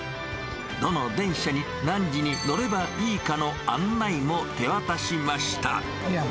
どの電車に何時に乗ればいいかの案内も手渡しました。